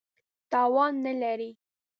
توان نه لري.